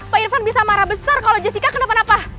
pak irfan bisa marah besar kalau jessica kenapa napa